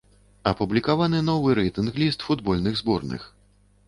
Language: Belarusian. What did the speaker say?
Апублікаваны новы рэйтынг-ліст футбольных зборных.